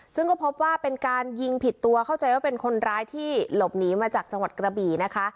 ซึ่งก็พบว่าเป็นการยิงผิดตัวเข้าใจว่าเป็นคนร้ายที่หลบหนีมาจากจังหวัดกระบี่นะคะ